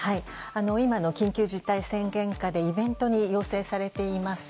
今の緊急事態宣言下でイベントに要請されています